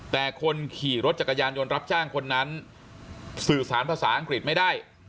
แต่คนขี่รถจักรยานยนต์รับจ้างคนนั้นสื่อสารภาษาอังกฤษไม่ได้